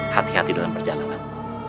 hati hati dalam perjalanan